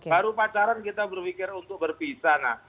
baru pacaran kita berpikir untuk berpisah